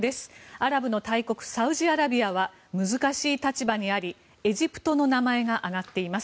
アラブの大国、サウジアラビアは難しい立場にありエジプトの名前が挙がっています。